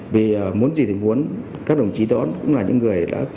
vì muốn gì thì muốn các đồng chí đó cũng là những người đã